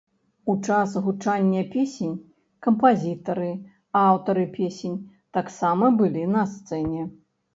У час гучання песень, кампазітары, аўтары песень таксама былі на сцэне.